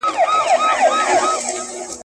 خو د دوی د پاچهۍ نه وه رنګونه.